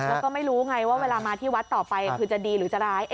แล้วก็ไม่รู้ไงว่าเวลามาที่วัดต่อไปคือจะดีหรือจะร้าย